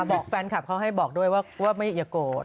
บอกแฟนคลับเขาให้บอกด้วยว่าไม่อย่าโกรธ